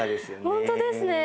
本当ですね！